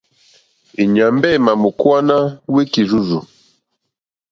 E nyàmbe è ma mò kuwana wiki rzurzù.